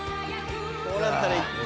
こうなったら行って。